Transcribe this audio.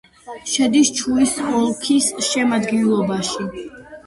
შედის ჩუის ოლქის შემადგენლობაში.